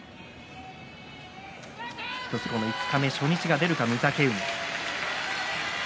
１つ、この五日目初日が出るか御嶽海。